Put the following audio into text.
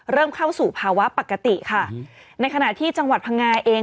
เข้าสู่ภาวะปกติค่ะในขณะที่จังหวัดพังงาเอง